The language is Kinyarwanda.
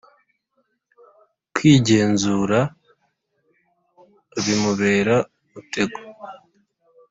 Kwigenzura a bimubera umutego